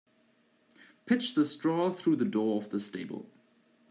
Pitch the straw through the door of the stable.